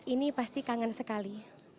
ini pasti kangen sekali